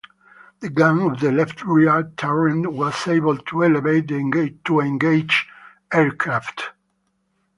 The gun of the left rear turret was able to elevate to engage aircraft.